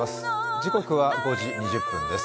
時刻は５時２０分です。